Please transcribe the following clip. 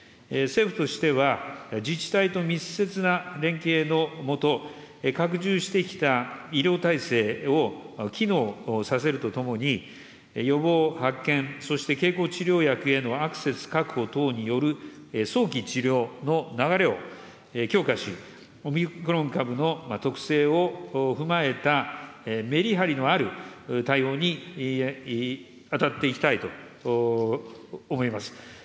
政府としては、自治体と密接な連携の下、拡充してきた医療体制を機能させるとともに、予防、発見、そして経口治療薬へのアクセス確保等による早期治療の流れを強化し、オミクロン株の特性を踏まえた、メリハリのある対応に当たっていきたいと思います。